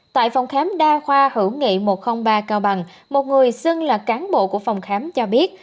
tại phòng khám đa khoa hữu nghị một trăm linh ba cao bằng một người xưng là cán bộ của phòng khám cho biết